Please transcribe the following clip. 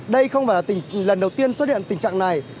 đây không phải là lần đầu tiên xuất hiện tình trạng này